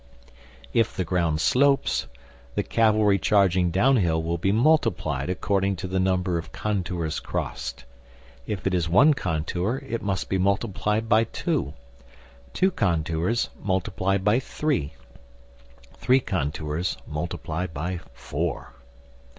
If the ground slopes, the cavalry charging downhill will be multiplied according to the number of contours crossed. If it is one contour, it must be multiplied by two; two contours, multiplied by three; three contours, multiplied by four.